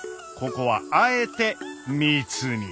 ここはあえて密に。